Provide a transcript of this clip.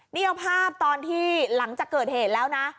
นี่เอาภาพตอนที่หลังจากเกิดเหตุแล้วนะ